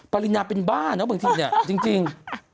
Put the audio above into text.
ปริณาเป็นบ้าเนอะเหมือนที่นี่จริง